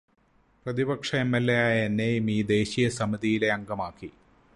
പ്രതിപക്ഷ എംഎൽഎയായ എന്നെയും ഈ ദേശീയസമിതിയിലെ അംഗമാക്കി.